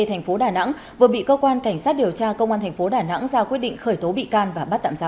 thành phố đà nẵng vừa bị cơ quan cảnh sát điều tra công an thành phố đà nẵng ra quyết định khởi tố bị can và bắt tạm ra